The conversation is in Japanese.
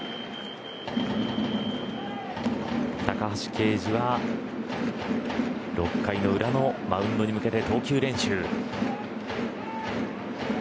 高橋奎二は６回の裏のマウンドに向けて投球練習。